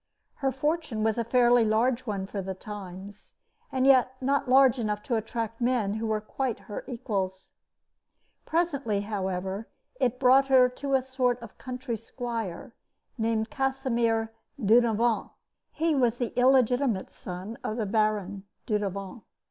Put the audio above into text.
Her fortune was a fairly large one for the times, and yet not large enough to attract men who were quite her equals. Presently, however, it brought to her a sort of country squire, named Casimir Dudevant. He was the illegitimate son of the Baron Dudevant.